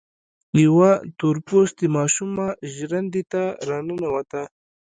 يوه تور پوستې ماشومه ژرندې ته را ننوته.